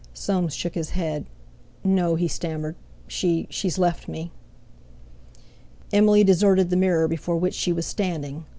Soames shook his head. "No," he stammered, "she—she's left me!" Emily deserted the mirror before which she was standing.